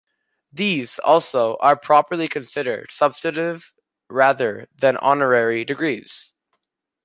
These, also, are properly considered substantive rather than honorary degrees.